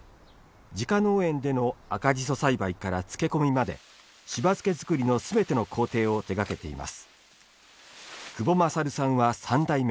自家農園での赤じそ栽培から漬け込みまでしば漬け作りのすべての工程を手がけています。